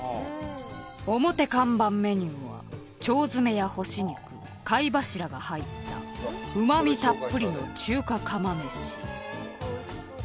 オモテ看板メニューは腸詰めや干し肉貝柱が入ったうまみたっぷりの中華釜飯。